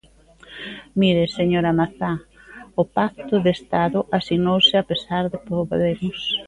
Mire, señora Mazá, o Pacto de Estado asinouse a pesar de Podemos.